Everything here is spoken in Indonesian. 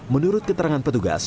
menurut keterangan petugas